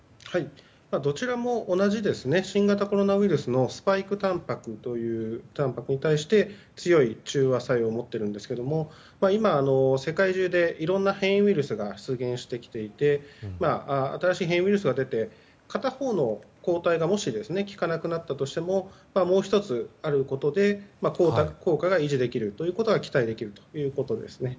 どちらも同じ新型コロナウイルスのスパイクたんぱくという強い中和作用を持っているんですけど今、世界中でいろんな変異ウイルスが出現してきていて新しい変異ウイルスが出て片方の抗体がもし効かなくなったとしてももう１つあることで効果が維持できるということが期待できるということです。